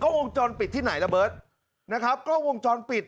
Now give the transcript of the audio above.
วงจรปิดที่ไหนระเบิร์ตนะครับกล้องวงจรปิด